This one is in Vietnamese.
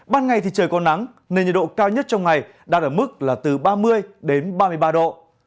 ban ngày thì trời có nắng nên nhiệt độ cao nhất trong ngày đạt ở mức là từ ba mươi đến ba mươi ba độ